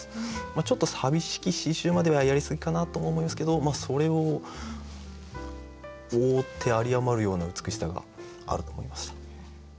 ちょっと「淋しき詩集」まではやりすぎかなとも思いますけどそれを覆って有り余るような美しさがあると思いました。